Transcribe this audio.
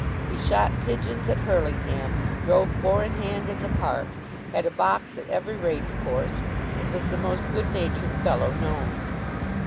He shot pigeons at Hurlingham, drove four in hand in the park, had a box at every race course, and was the most good natured fellow known.